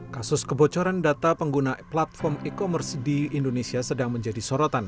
kasus kebocoran data pengguna platform e commerce di indonesia sedang menjadi sorotan